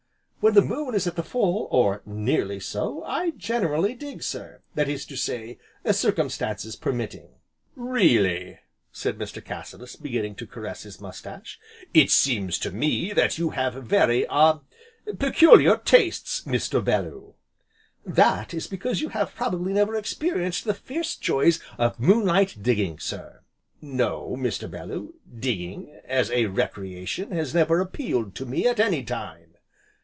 "When the moon is at the full, or nearly so, I generally dig, sir, that is to say, circumstances permitting." "Really," said Mr. Cassilis beginning to caress his moustache, "it seems to me that you have very ah peculiar tastes, Mr. Bellew." "That is because you have probably never experienced the fierce joys of moon light digging, sir." "No, Mr. Bellew, digging as a recreation, has never appealed to me at any time."